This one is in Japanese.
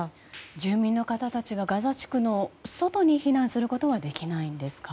住民の方たちがガザ地区の外に避難することはできないんですか？